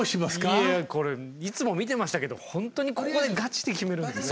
いやこれいつも見てましたけど本当にここでガチで決めるんですね。